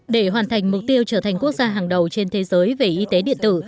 để hoàn thành mục tiêu trở thành quốc gia hàng đầu trên thế giới về y tế điện tử